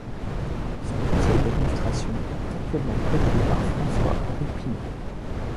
Son conseil d'administration est actuellement présidé par François-Henri Pinault.